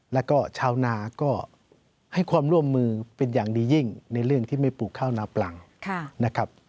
แล้วก็ชาวนาก็ให้ความร่วมมือเป็นอย่างดียิ่งในเรื่องที่ไม่ปลูกข้าวนาปลังนะครับ